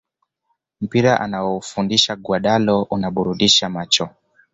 Mpira anaofundisha Guardiola unaburudisha macho